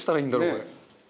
これ。